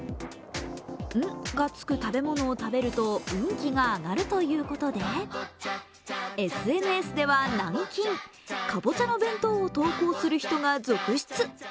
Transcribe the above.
「ん」がつく食べ物を食べると運気が上がるということでＳＮＳではなんきん、かぼちゃの弁当を投稿する人が続出。